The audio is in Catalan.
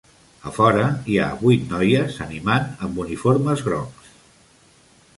A fora hi ha vuit noies animant amb uniformes grocs.